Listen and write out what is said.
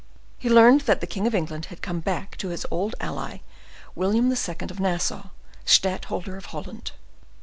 He learned that the king of England had come back to his old ally, William II. of Nassau, stadtholder of Holland.